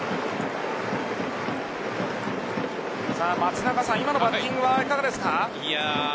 松中さん、今のバッティングはいかがですか？